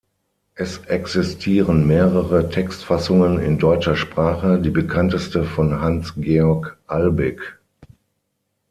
Es existieren mehrere Textfassungen in deutscher Sprache, die bekannteste von Hans Georg Albig.